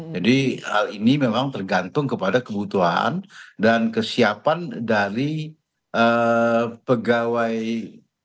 jadi hal ini memang tergantung kepada kebutuhan dan kesiapan dari pegawai negeri